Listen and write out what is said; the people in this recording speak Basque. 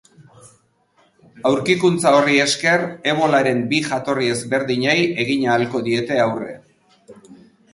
Aurkikuntza horri esker, ebolaren bi jatorri ezberdini egin ahalko diete aurre.